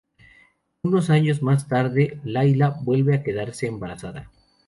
Unos años más tarde, Laila vuelve a quedarse embarazada.